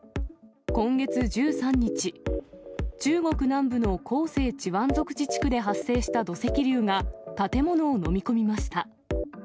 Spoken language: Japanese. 今月１３日、中国南部の広西チワン族自治区で発生した土石流が、建物を飲み込みました。